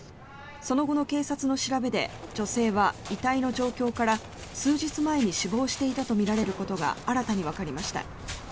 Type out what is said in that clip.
その後の警察の調べで女性は遺体の状況から数日前に死亡していたとみられることが新たにわかりました。